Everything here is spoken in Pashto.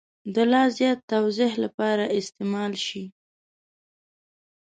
د لا زیات توضیح لپاره استعمال شي.